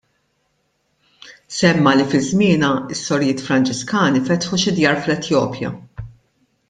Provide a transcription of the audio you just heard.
Semma li fi żmienha s-sorijiet Franġiskani fetħu xi djar fl-Etjopja.